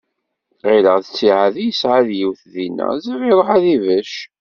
Ɣilleɣ d ttiɛad i yesɛa d yiwet dinna, ziɣ iruḥ ad d-ibecc.